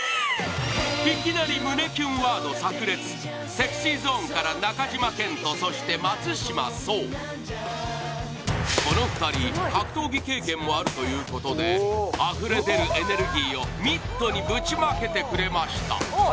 いきなり胸キュンワード炸裂ＳｅｘｙＺｏｎｅから中島健人そして松島聡この２人格闘技経験もあるということであふれ出るエネルギーをミットにぶちまけてくれましたああ